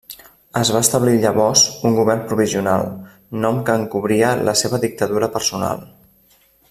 Es va establir llavors un Govern Provisional, nom que encobria la seva dictadura personal.